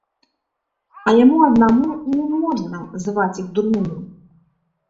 А яму аднаму не можна зваць іх дурнымі.